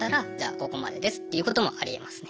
ここまでですっていうこともありえますね。